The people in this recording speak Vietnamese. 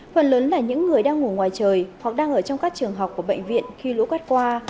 phần lớn là những người đang ngủ ngoài trời hoặc đang ở trong các trường học của bệnh viện khi lũ quét qua